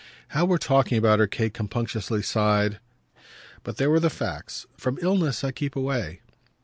"How we're talking about her!" Kate compunctiously sighed. But there were the facts. "From illness I keep away."